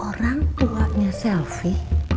orang tuanya selvie